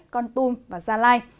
con tum và gia lai